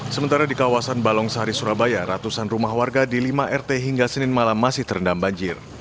sementara di kawasan balong sari surabaya ratusan rumah warga di lima rt hingga senin malam masih terendam banjir